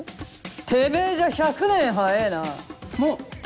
てめぇじゃ１００年早えぇな。